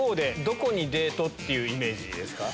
どこにデートっていうイメージですか？